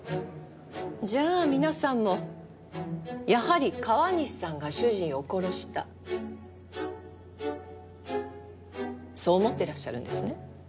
じゃあ皆さんもやはり川西さんが主人を殺したそう思ってらっしゃるんですね？